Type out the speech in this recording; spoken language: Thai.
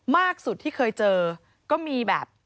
มากสุดที่เคยเจอก็มีแบบ